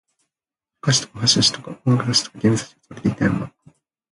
週刊誌とかファッション誌とか音楽雑誌とかゲーム雑誌が積まれていた山